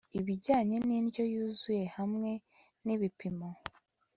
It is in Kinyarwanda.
ibijyanye n'indyo yuzuye hamwe n'ibipimo